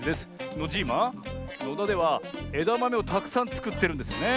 ノジーマのだではえだまめをたくさんつくってるんですよね？